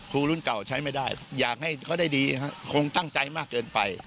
รุ่นเก่าใช้ไม่ได้อยากให้เขาได้ดีคงตั้งใจมากเกินไป